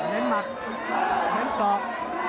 เล็งมักเล็งสอบ